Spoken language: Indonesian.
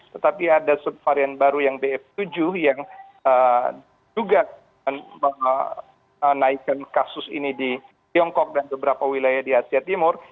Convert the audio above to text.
tetapi ada subvarian baru yang bf tujuh yang juga menaikkan kasus ini di tiongkok dan beberapa wilayah di asia timur